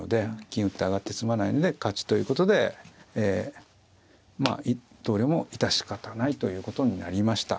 金打って上がって詰まないので勝ちということでえ投了も致し方ないということになりました。